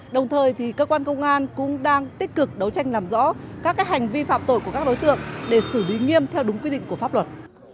đồng thời cơ quan công an cũng đang tích cực đấu tranh làm rõ các hành vi phạm tội của các đối tượng để xử lý nghiêm theo đúng quy định của pháp luật